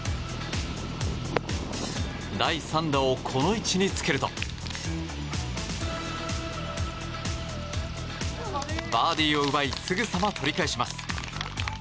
第３打を、この位置につけるとバーディーを奪いすぐさま取り返します。